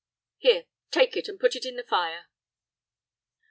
Here, take it, and put it in the fire."